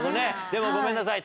でもごめんなさい。